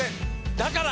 だから！